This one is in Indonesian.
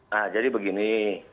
nah jadi begini